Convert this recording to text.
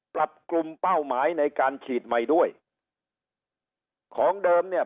ปรับกลุ่มเป้าหมายในการฉีดใหม่ด้วยของเดิมเนี่ย